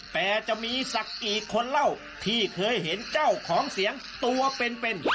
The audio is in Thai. แต่จะมีสักกี่คนเล่าที่เคยเห็นเจ้าของเสียงตัวเป็น